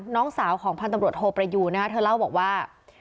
น้องสาวของพันธุ์ตำรวจโทประยูนนะคะเธอเล่าบอกว่า